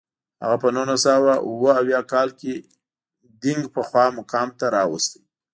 هغه په نولس سوه اووه اویا کال کې دینګ پخوا مقام ته راوست.